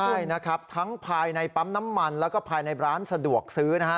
ด้วยนะครับทั้งภายในปั๊มน้ำมันแล้วก็ภายในร้านสะดวกซื้อนะฮะ